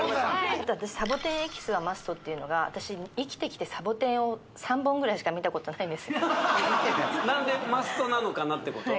あとサボテンエキスはマストっていうのが私生きてきてサボテンを３本ぐらいしか見たことないんです何でマストなのかなってこと？